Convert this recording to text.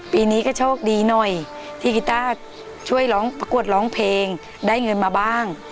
ปีนี้ก็โชคดีหน่อยที่กีต้าช่วยร้องประกวดร้องเพลงได้เงินมาบ้าง